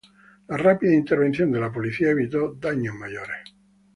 La rápida intervención de la policía evitó daños mayores.